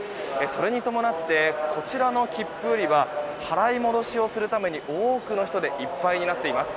それに伴ってこちらの切符売り場払い戻しをするために多くの人でいっぱいになっています。